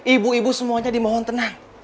ibu ibu semuanya dimohon tenang